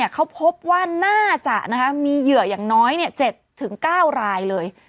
เขาพบว่าน่าจะมีเหยื่ออย่างน้อย๗๙รายเลย